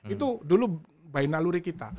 itu dulu by naluri kita